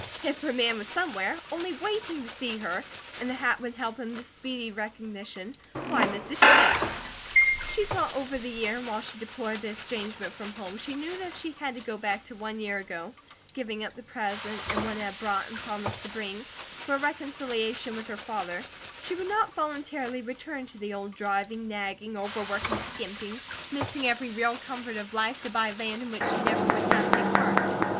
If her man was somewhere, only waiting to see her, and the hat would help him to speedy recognition, why miss a change? She thought over the year, and while she deplored the estrangement from home, she knew that if she had to go back to one year ago, giving up the present and what it had brought and promised to bring, for a reconciliation with her father, she would not voluntarily return to the old driving, nagging, overwork, and skimping, missing every real comfort of life to buy land, in which she never would have any part.